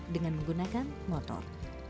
dengan menggunakan motor